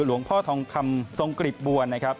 หลวงพ่อทองคำทรงกริบบัวนะครับ